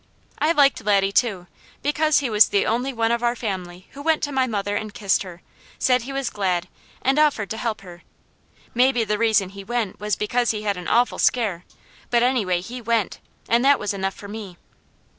I liked Laddie too, because he was the only one of our family who went to my mother and kissed her, said he was glad, and offered to help her. Maybe the reason he went was because he had an awful scare, but anyway he WENT, and that was enough for me.